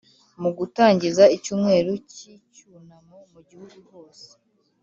Mu gutangiza icyumweru cy icyunamo mu gihugu hose